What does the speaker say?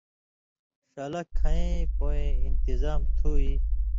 ݜَلہ کَھئیں پُوئیں انتظام تُھو اَئی؟